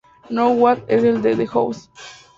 Now What es el de la de "House".